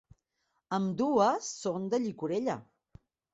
Ambdues són de llicorella.